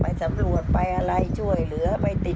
เป็นเด็กที่